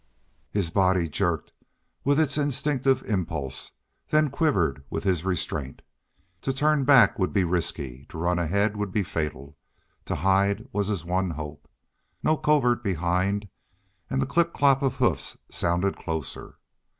His body jerked with its instinctive impulse, then quivered with his restraint. To turn back would be risky, to run ahead would be fatal, to hide was his one hope. No covert behind! And the clip clop of hoofs sounded closer.